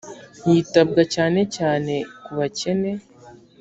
hitabwa cyane cyane kubakene .